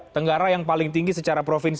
tenggara yang paling tinggi secara provinsi